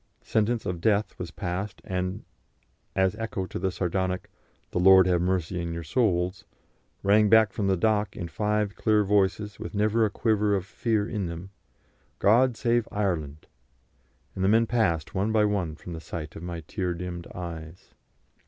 Sentence of death was passed, and, as echo to the sardonic "The Lord have mercy on your souls," rang back from the dock in five clear voices, with never a quiver of fear in them, "God save Ireland!" and the men passed one by one from the sight of my tear dimmed eyes.